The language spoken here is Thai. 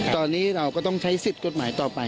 ตอนนี้เราก็ต้องใช้สิทธิ์กฎหมายต่อไป